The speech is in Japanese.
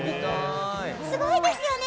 すごいですよね。